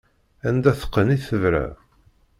Anda teqqen i tebra.